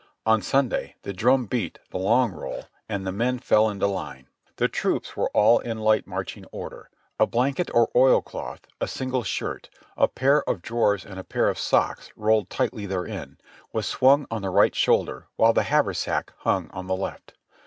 On Sunday the drum beat the long roll and the men fell into line. The troops were all in light marching order ; a blanket or oilcloth, a single shirt, a pair of drawers and a pair of socks rolled tightly therein was swung on the right shoulder while the haversack hung on the left.